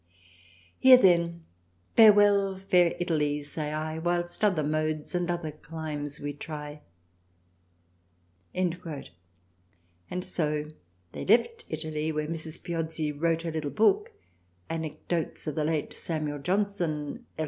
Here then Farewell Fair Italy say I Whilst other Modes and other climes we try." And so they left Italy where Mrs. Piozzi wrote her little book " Anecdotes of the Late Samuel John son LL.